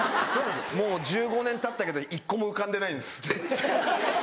もう１５年たったけど１個も浮かんでないんです。